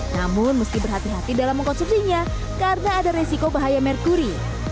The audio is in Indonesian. namun mesti berhati hati dalam mengkonsumsinya karena ada resiko bahaya merkuri